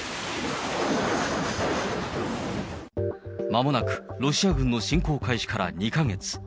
まもなくロシア軍の侵攻開始から２か月。